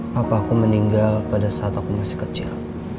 bapak aku meninggal pada saat aku masih kecil